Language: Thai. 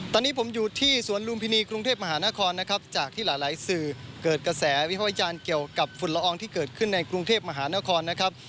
ตอนนี้ผมอยู่ที่สวนลุมพินีกรุงเทพมหานครนะครับจากที่หลายสื่อเกิดกระแสวิภาควิจารณ์เกี่ยวกับฝุ่นละอองที่เกิดขึ้นในกรุงเทพมหานครนะครับ